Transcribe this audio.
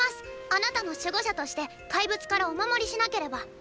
あなたの守護者として怪物からお守りしなければ。